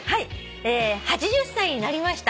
「８０歳になりました」